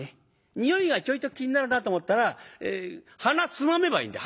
においがちょいと気になるなと思ったらえ鼻つまめばいいんだ。